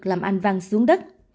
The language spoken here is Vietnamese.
làm anh văng xuống đất